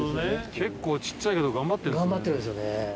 結構小っちゃいけど頑張ってるんですね。